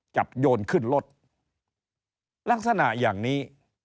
โยนขึ้นรถลักษณะอย่างนี้